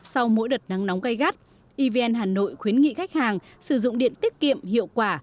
sau mỗi đợt nắng nóng gây gắt evn hà nội khuyến nghị khách hàng sử dụng điện tiết kiệm hiệu quả